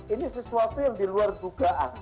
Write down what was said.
ini sesuatu yang diluar dugaan